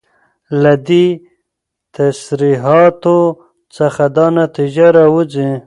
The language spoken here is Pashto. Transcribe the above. له دي تصريحاتو څخه دا نتيجه راوځي